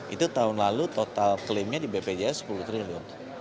itu tahun lalu total klaimnya di bpjs sepuluh triliun